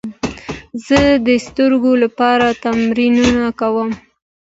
زه د سترګو لپاره تمرینونه کوم.